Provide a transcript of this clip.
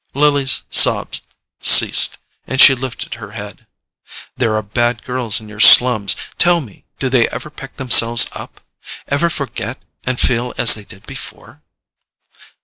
Lily's sobs ceased, and she lifted her head. "There are bad girls in your slums. Tell me—do they ever pick themselves up? Ever forget, and feel as they did before?"